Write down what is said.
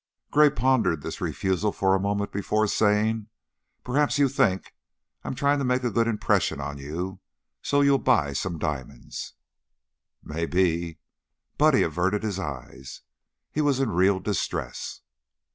Gray pondered this refusal for a moment before saying, "Perhaps you think I'm trying to make a good impression on you, so you'll buy some diamonds?" "Mebbe." Buddy averted his eyes. He was in real distress.